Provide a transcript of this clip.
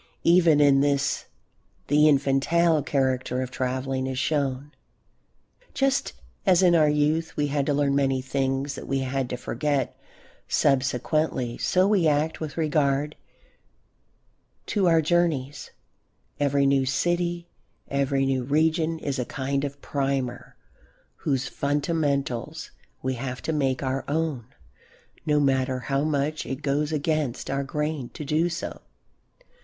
Even in this the infantile character of travelling is shown. Just as in our youth we had to learn many things that we had to forget subsequently so we act with regard to our journeys; every new city, every new region is a kind of primer whose fundamentals we have to make our own no matter how much it goes against our grain to do so.